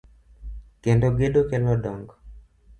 Kendo gedo kelo dongr